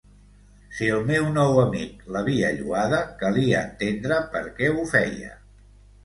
Si el meu nou amic l'havia lloada, calia entendre per què ho feia.